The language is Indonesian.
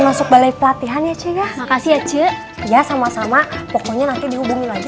masuk balai pelatihan ya cik ya makasih ya cik ya sama sama pokoknya nanti dihubungin lagi